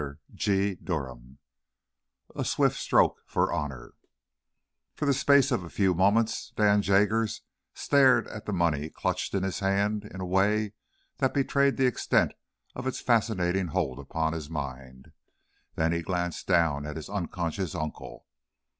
CHAPTER VIII A SWIFT STROKE FOR HONOR For the space of a few moments Dan Jaggers stared at the money clutched in his hands in a way that betrayed the extent of its fascinating hold upon his mind. Then he glanced down at his unconscious uncle.